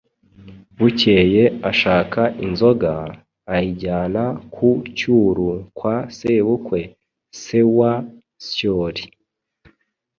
bukeye ashaka inzoga, ayijyana ku Cyuru kwa sebukwe se wa Syoli.